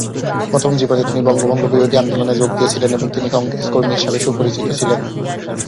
প্রথম জীবনে তিনি বঙ্গভঙ্গ বিরোধী আন্দোলনে যোগ দিয়েছিলেন এবং তিনি কংগ্রেস কর্মী হিসাবে সুপরিচিত ছিলেন।